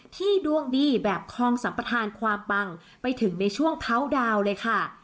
ดวงดีแบบคลองสัมปทานความปังไปถึงในช่วงเท้าดาวเลยค่ะ